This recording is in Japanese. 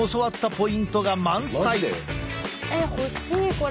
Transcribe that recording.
えっ欲しいこれ！